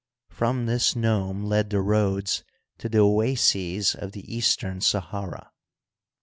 From this nome led the roads to the oases of the eastern Sahara.